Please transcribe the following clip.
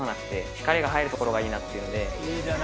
光が入る所がいいなっていうので。